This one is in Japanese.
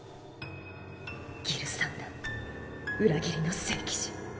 ・ギルサンダー裏切りの聖騎士。